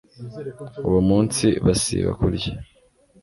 uwo munsi basiba kurya